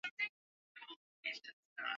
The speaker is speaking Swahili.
na watathmini wa kisaikoloji na watafiti wa